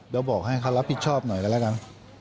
เราบอกให้เขารับผิดชอบหน่อยแล้วกัน